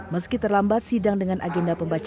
meski terlambat sidang dengan agenda pembacaan